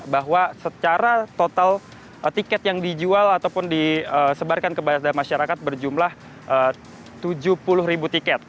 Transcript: bahwa secara total tiket yang dijual ataupun disebarkan kepada masyarakat berjumlah tujuh puluh ribu tiket